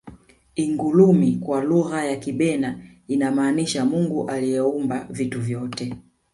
ingulumi kwa lugha ya kibena inamaanisha mungu aliyeumba vitu vyote